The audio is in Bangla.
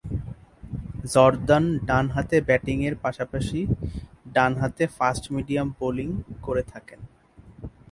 জর্দান ডানহাতে ব্যাটিংয়ের পাশাপাশি ডানহাতে ফাস্ট-মিডিয়াম বোলিং করে থাকেন।